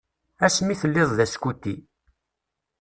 Ass mi telliḍ d askuti.